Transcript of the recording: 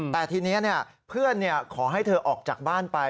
แต่ทีเนี้ยเนี้ยเพื่อนเนี้ยขอให้เธอออกจากบ้านไป